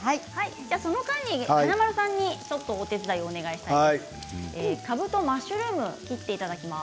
その間に華丸さんにお手伝いをお願いしたいと思います。